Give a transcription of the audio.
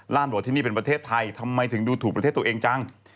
ตำรวจที่นี่เป็นประเทศไทยทำไมถึงดูถูกประเทศตัวเองจัง